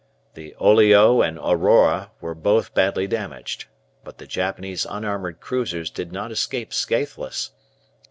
The "Oleg" and "Aurora" were both badly damaged. But the Japanese unarmoured cruisers did not escape scathless.